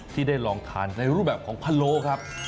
ที่ได้ลองทานในรูปแบบของพะโลครับ